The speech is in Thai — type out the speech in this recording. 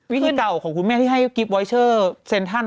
วิธีเก่าของคุณแม่ที่ให้กิฟต์วอยเชอร์เซ็นทัน